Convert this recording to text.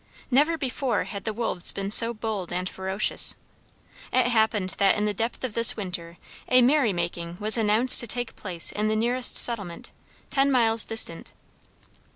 Never before had the wolves been so bold and ferocious. It happened that in the depth of this winter a merry making was announced to take place in the nearest settlement, ten miles distant.